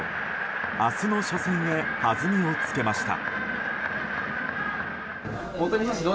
明日の初戦へはずみをつけました。